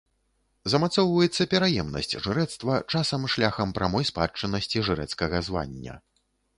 Замацоўваецца пераемнасць жрэцтва, часам шляхам прамой спадчыннасці жрэцкага звання.